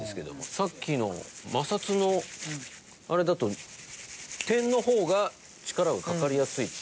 さっきの摩擦のあれだと点の方が力がかかりやすいっていう。